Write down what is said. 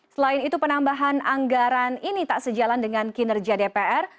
selain itu penambahan anggaran ini tak sejalan dengan kinerja dpr